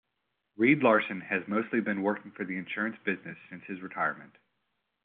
Reed Larson has mostly been working for the insurance business since his retirement.